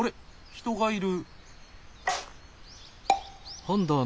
人がいる。